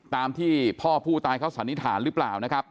ตามที่พ่อผู้ตายเขาสันนิษฐานหรือเปล่านะครับ